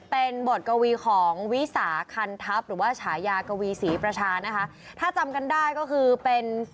เป็นบทกวีของวิสาคันทัพหรือว่าฉายากวีศรีประชานะคะถ้าจำกันได้ก็คือเป็น